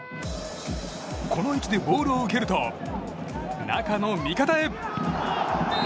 この位置でボールを受けると中の味方へ。